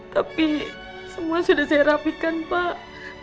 tapi semua sudah saya rapikan pak